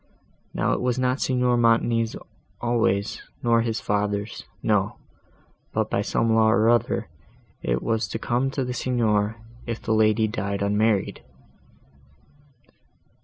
Now it was not Signor Montoni's always, nor his father's; no; but, by some law or other, it was to come to the Signor, if the lady died unmarried."